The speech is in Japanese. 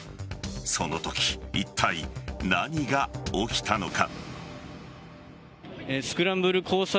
そのときいったい何が起きたのか。